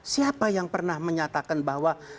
siapa yang pernah menyatakan bahwa